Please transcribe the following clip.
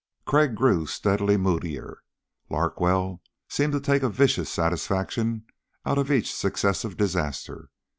Crag grew steadily moodier. Larkwell seemed to take a vicious satisfaction out of each successive disaster.